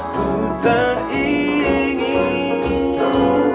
ku tak lagi menyuka